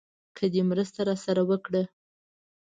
که دې مرسته راسره وکړه.